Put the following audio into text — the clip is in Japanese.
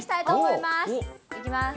いきます。